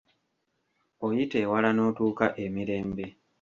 Oyita ewala n'otuuka emirembe.